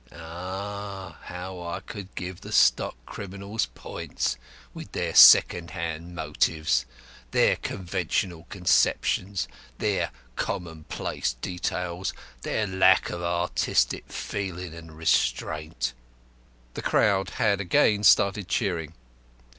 Ah, how I could give the stock criminals points with their second hand motives, their conventional conceptions, their commonplace details, their lack of artistic feeling and restraint." The crowd had again started cheering.